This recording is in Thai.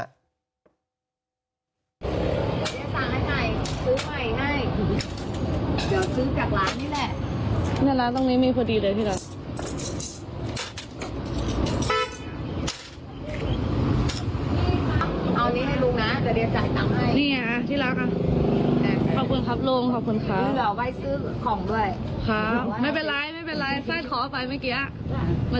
มันล่วงใช่ไหมไม่เป็นไรครับ